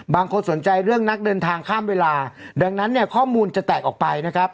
บางคนสนใจเรื่องนักเดินทางข้ามเวลาดังนั้นเนี่ยข้อมูลจะแตกออกไปนะครับ